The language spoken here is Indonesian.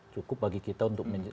cukup bagi kita untuk